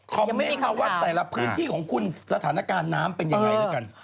คอมเม้นต์กับว่าแต่ละพื้นที่ของคุณสถานการณ์น้ำเป็นยังไงเลยกัน